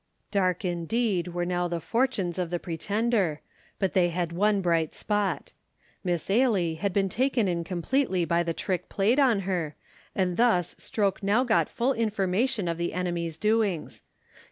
Dark indeed were now the fortunes of the Pretender, but they had one bright spot. Miss Ailie had been taken in completely by the trick played on her, and thus Stroke now got full information of the enemy's doings.